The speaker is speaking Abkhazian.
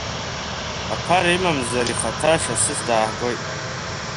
Аԥара имамзар ихаҭа шасыс дааҳгоит.